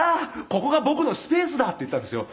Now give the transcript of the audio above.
ここが僕のスペースだ”って言ったんですよ。